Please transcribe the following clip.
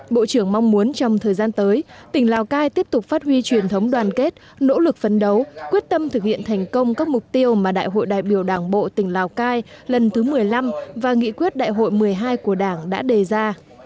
bộ trưởng mong muốn trong thời gian tới tỉnh lào cai tiếp tục phát huy truyền thống đoàn kết nỗ lực phấn đấu quyết tâm thực hiện thành công các mục tiêu mà đại hội đại biểu đảng bộ tỉnh lào cai lần thứ một mươi năm và nghị quyết đại hội một mươi hai của đảng đã đề ra